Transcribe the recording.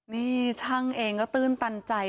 นี่ช่างเองก็ตื้นตันใจ